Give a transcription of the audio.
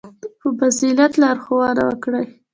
• په فضیلت لارښوونه وکړئ.